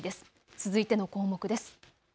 続いての項目です。